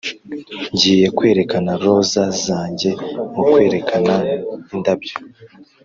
ngiye kwerekana roza zanjye mu kwerekana indabyo